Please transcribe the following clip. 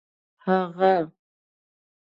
هغه